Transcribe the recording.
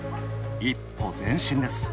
一歩前進です。